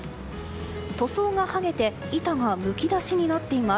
塗装が剥げて板がむき出しになっています。